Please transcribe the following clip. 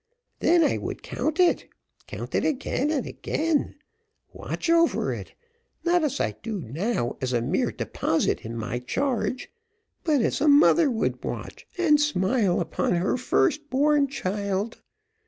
Then I would count it count it again and again watch over it, not as I do now as a mere deposit in my charge, but as a mother would watch and smile upon her first born child.